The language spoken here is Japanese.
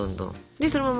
でそのまま